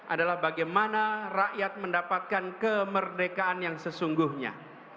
adalah bagaimana rakyat mendapatkan kemerdekaan yang sesungguhnya